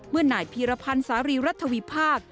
เมื่อหน่ายภีรพันธ์สารีรัฐวิพาค